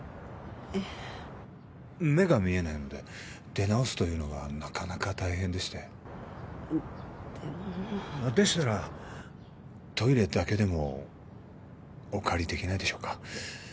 え目が見えないので出直すというのがなかなか大変でしてでもでしたらトイレだけでもお借りできないでしょうか？